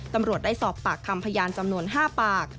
ตำรวจได้สอบปากคำพยานจำนวน๕ปาก